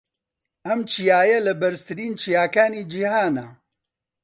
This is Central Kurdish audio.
ئەم چیایە لە بەرزترین چیاکانی جیھانە.